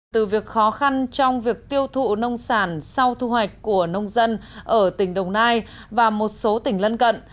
từ việc khó khăn trong việc tiêu thụ nông sản sau thu hoạch của nông dân ở tỉnh đồng nai và một số tỉnh lân cận